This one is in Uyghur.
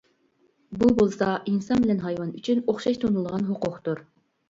بۇ بولسا ئىنسان بىلەن ھايۋان ئۈچۈن ئوخشاش تونۇلىدىغان ھوقۇقتۇر.